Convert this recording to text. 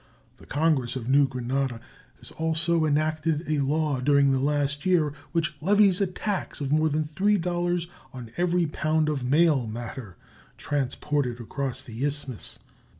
The Congress of New Granada has also enacted a law during the last year which levies a tax of more than $3 on every pound of mail matter transported across the Isthmus.